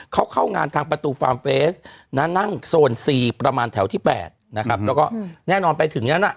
เขาเข้างานทางประตูฟาร์มเฟสนะนั่งโซนซีประมาณแถวที่๘นะครับแล้วก็แน่นอนไปถึงนั้นอ่ะ